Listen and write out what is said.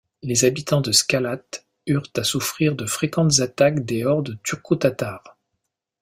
Les habitants de Skalat eurent à souffrir de fréquentes attaques des hordes turco-tatares.